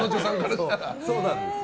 そうなんですよ。